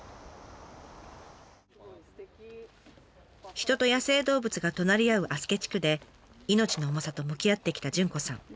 人と野生動物が隣り合う足助地区で命の重さと向き合ってきた潤子さん。